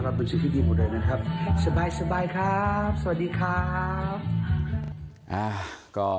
เป็นสิ่งที่ดีหมดเลยนะครับสบายครับสวัสดีครับ